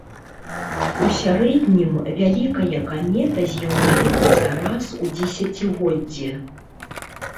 У сярэднім, вялікая камета з'яўляецца раз у дзесяцігоддзе.